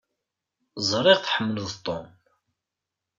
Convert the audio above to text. Ẓriɣ tḥemmleḍ Tom.